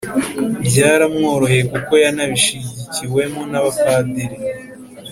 byaramworoheye kuko yanabishigikiwemo n'abapadiri